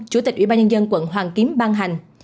chủ tịch ủy ban nhân dân quận hoàn kiếm ban hành